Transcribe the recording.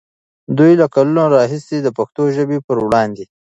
دوی له کلونو راهیسې د پښتو ژبې پر وړاندې